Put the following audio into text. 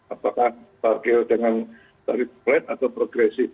apakah parkir dengan tarif flat atau progresif